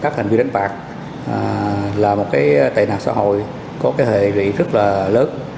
đánh bạc là một cái tệ nạn xã hội có cái hệ rỉ rất là lớn